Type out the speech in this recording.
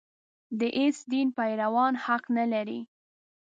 د هېڅ دین پیروان حق نه لري.